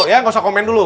ya gak usah komen dulu